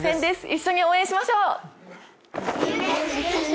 一緒に応援しましょう！